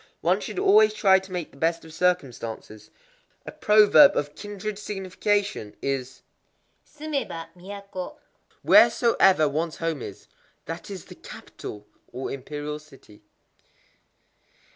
One should always try to make the best of circumstances. A proverb of kindred signification is, Sumeba, Miyako: "Wheresoever ones home is, that is the Capital [or, imperial City]." 38.